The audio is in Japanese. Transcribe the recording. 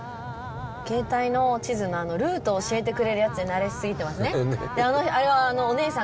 携帯の地図のルートを教えてくれるやつに慣れすぎてますね。